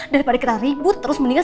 daripada kita ribut terus meningkat